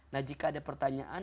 nah jika ada pertanyaan